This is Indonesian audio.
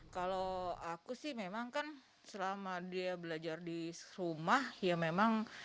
kalau aku sih memang kan selama dia belajar di rumah ya memang